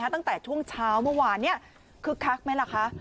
ตั้งแต่ช่วงเช้าเมื่อวานนี้คึกคักไหมล่ะคะ